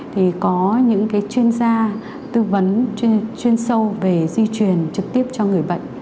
thì có những chuyên gia tư vấn chuyên sâu về di truyền trực tiếp cho người bệnh